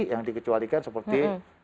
yang dikecualikan seperti